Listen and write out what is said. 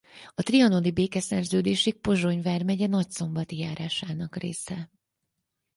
A trianoni békeszerződésig Pozsony vármegye Nagyszombati járásának része.